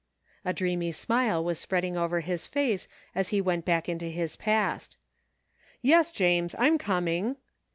A dreamy smile was spreading over his face as he went back into his past. "Yes, James, I'm coming."